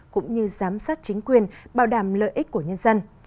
cũng như giám sát chính quyền bảo đảm lợi ích của nhân dân